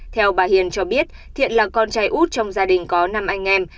theo bà hiền cho biết thiện là con trai út trong gia đình có năm anh em